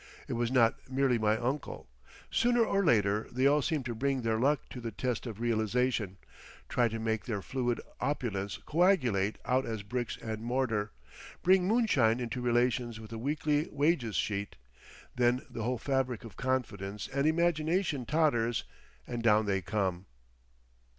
It was not merely my uncle. Sooner or later they all seem to bring their luck to the test of realisation, try to make their fluid opulence coagulate out as bricks and mortar, bring moonshine into relations with a weekly wages sheet. Then the whole fabric of confidence and imagination totters—and down they come....